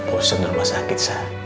porsen darima sakit